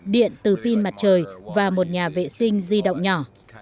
điện từ pin mặt trời và một nhà vệ sinh di động nhỏ